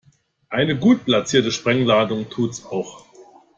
Eine gut platzierte Sprengladung tut's auch.